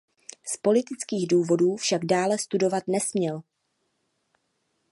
Z politických důvodů však dále studovat nesměl.